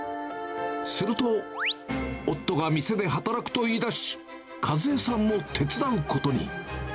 すると、夫が店で働くと言いだし、和枝さんも手伝うことに。